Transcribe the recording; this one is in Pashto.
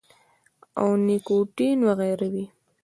او نيکوټین وغېره وي -